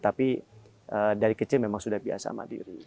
tapi dari kecil memang sudah biasa mandiri